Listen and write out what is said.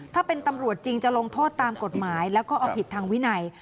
ถ้าเป็นตำรวจจริงจะลงโทษตามกฎหมายแล้วก็เอาผิดทางวินัย